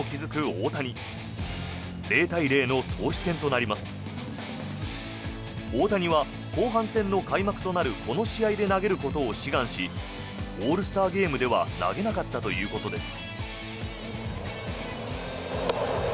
大谷は後半戦の開幕となるこの試合で投げることを志願しオールスターゲームでは投げなかったということです。